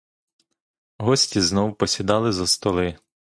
Гості знов посідали за столи.